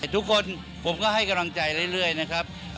ทุกคนผมก็ให้กำลังใจเรื่อยนะครับ